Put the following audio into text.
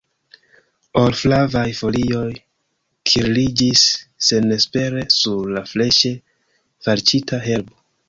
Or-flavaj folioj kirliĝis senespere sur la freŝe falĉita herbo.